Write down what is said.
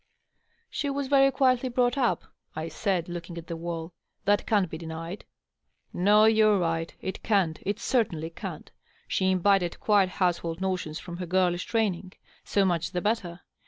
" She was very quietly brought up," I said, looking at the walL "That can't be denied." "No; you're right. It can't; it certainly can't. She imbibed quiet household notions from her girlish training. So much the better.